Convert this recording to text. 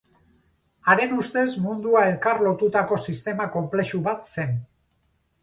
Haren ustez mundua elkar lotutako sistema konplexu bat zen.